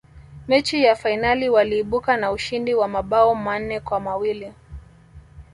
mechi ya fainali waliibuka na ushindi wa mabao manne kwa mawili